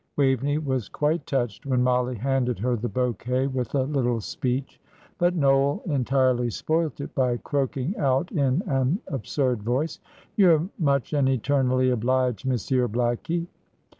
Waveney was quite touched when Mollie handed her the bouquet with a little speech; but Noel entirely spoilt it by croaking out in an absurd voice, "Your much and eternally obliged Monsieur Blackie."